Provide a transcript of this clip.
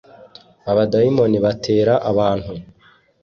abadayimoni batera abantu.